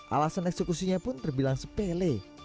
alasan eksekusinya pun terbilang sepele